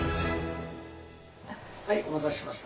はいお待たせしました。